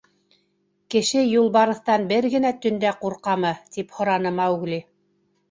— Кеше юлбарыҫтан бер генә төндә ҡурҡамы? — тип һораны Маугли.